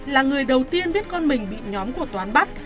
là người đầu tiên biết con mình bị nhóm của toán bắt